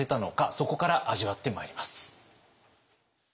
そこから味わってまいります。